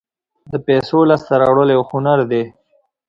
د پیسو لاسته راوړل یو هنر دی.